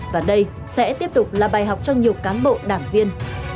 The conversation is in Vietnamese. và đây sẽ tiếp tục là bài học cho nhiều cán bộ đảng viên